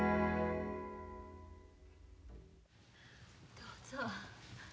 どうぞ。